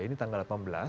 ini tanggal delapan belas